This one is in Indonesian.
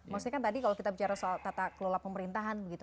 maksudnya kan tadi kalau kita bicara soal tata kelola pemerintahan begitu